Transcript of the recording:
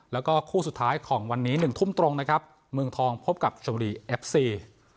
แล้วก็คู่สุดท้ายของวันนี้๑ทุ่มตรงนะครับเมืองทองพบกับชมบุรีเอฟซี